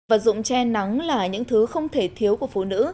vật dụng che nắng là những thứ không thể thiếu của phụ nữ